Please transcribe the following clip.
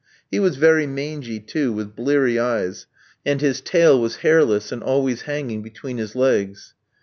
He was very mangy, too, with bleary eyes, and his tail was hairless, and always hanging between his legs.